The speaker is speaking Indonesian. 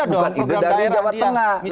bukan ide dari jawa tengah